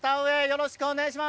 よろしくお願いします！